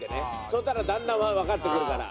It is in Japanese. そしたらだんだんわかってくるから。